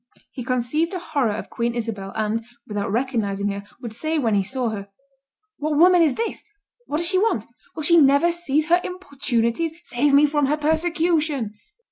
He conceived a horror of Queen Isabel, and, without recognizing her, would say when he saw her, "What woman is this? What does she want? Will she never cease her importunities? Save me from her persecution!"